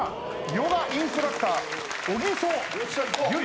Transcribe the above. ヨガインストラクター小木曽優理。